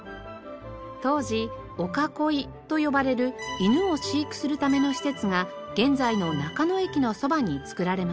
当時御囲と呼ばれる犬を飼育するための施設が現在の中野駅のそばに造られました。